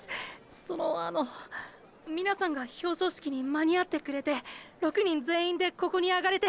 そのあの皆さんが表彰式に間にあってくれて６人全員でここに上がれて！！